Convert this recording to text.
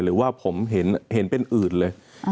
หรือว่าผมเห็นเป็นอื่นเลย